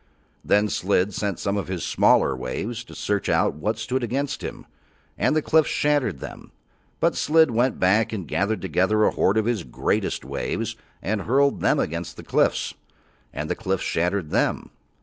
Then Slid sent some of his smaller waves to search out what stood against him, and the cliffs shattered them. But Slid went back and gathered together a hoard of his greatest waves and hurled them against the cliffs, and the cliffs shattered them.